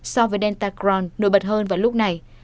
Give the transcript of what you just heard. so với delta cron nổi bật hơn vào lúc này